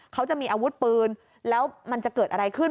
เขาจะมีอาวุธปืนแล้วมันจะเกิดอะไรขึ้น